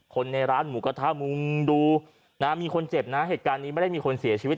คนในร้านหมูกระทะมุงดูนะมีคนเจ็บนะเหตุการณ์นี้ไม่ได้มีคนเสียชีวิต